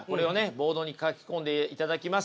ボードに書き込んでいただきます。